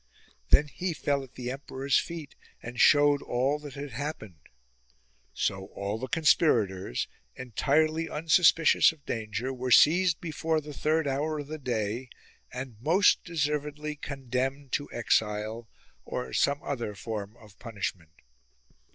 Then he fell at the emperor's feet and showed all that had hap pened. So all the conspirators, entirely unsuspicious of danger, were seized before the third hour of the day and most deservedly condemned to exile or some other form of punishment.